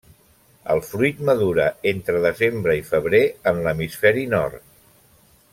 El fruit madura entre desembre i febrer en l'hemisferi nord.